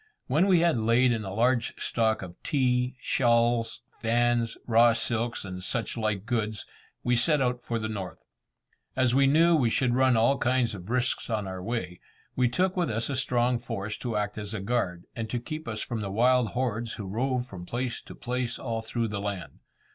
When we had laid in a large stock of tea, shawls, fans, raw silks, and such like goods, we set out for the north. As we knew we should run all kinds of risks on our way, we took with us a strong force to act as a guard, and to keep us from the wild hordes who rove from place to place all through the land.